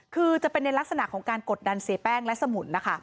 คือจะเป็นในลักษณะของการกดดันเสียแป้งและสมุนนะคะ